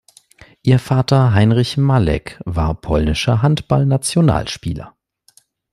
Ihr Vater Heinrich Malek war polnischer Handballnationalspieler.